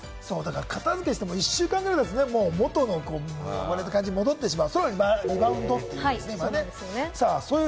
片付けしても１週間後には元の散らかった部屋に戻ってしまう。